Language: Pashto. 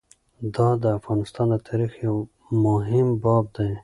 دا د افغانستان د تاریخ یو مهم باب دی.